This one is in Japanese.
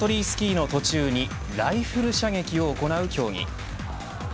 スキーの途中にライフル射撃を行う競技。